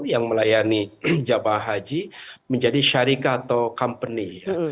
yang melayani jemaah haji menjadi syarikat atau company